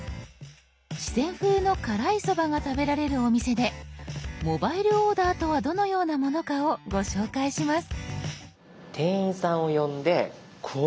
四川風の辛いソバが食べられるお店で「モバイルオーダー」とはどのようなものかをご紹介します。